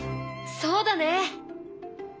そうだね！